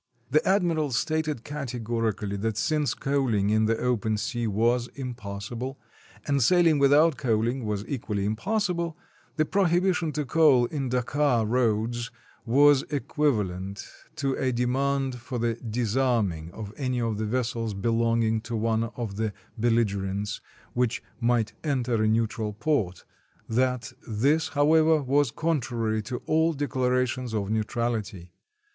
The admiral stated categorically that since coaling in the open sea was impossible, and sailing without coal ing was equally impossible, the prohibition to coal in Dakar roads was equivalent to a demand for the dis arming of any of the vessels belonging to one of the bel ligerents which might enter a neutral port; that this, however, was contrary to all declarations of neutrality.